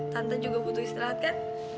tante juga butuh istirahat kan